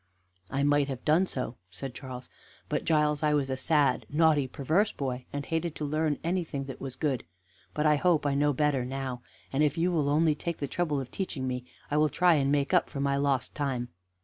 "I might have done so," said Charles, "but Giles, I was a sad, naughty, perverse boy, and hated to learn any thing that was good; but I hope I know better now, and if you will only take the trouble of teaching me I will try and make up for my lost time."